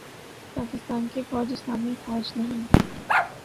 پاکستان کی فوج اسلامی فوج نہیں